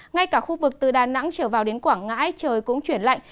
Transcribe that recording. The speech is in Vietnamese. ngay cả khu vực từ đà nẵng trở vào đến quảng ngãi trời cũng chuyển lạnh